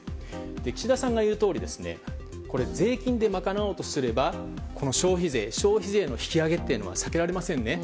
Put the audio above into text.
岸田さんが言うとおり税金で賄おうとすれば消費税の引き上げというのは避けられませんね。